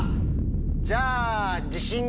じゃあ。